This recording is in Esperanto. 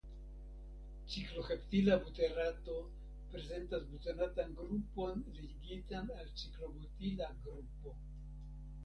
Cikloheptila buterato prezentas butanatan grupon ligitan al ciklobutila grupo.